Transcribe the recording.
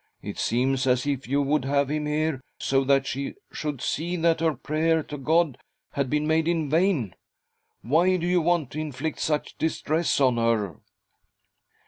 It seems as if you would have him here, so that she should see that her prayer to God had been made in vain. Why do you want to inflict such distress on her